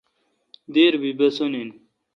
دیر بی بھسن این